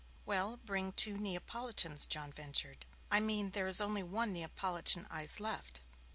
'Well, bring two Neapolitans,' John ventured. 'I mean there is only one Neapolitan ice left.'